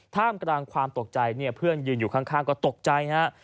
ท่ามกลางความตกใจเนี่ยเพื่อนยืนอยู่ข้างก็ตกใจฮะ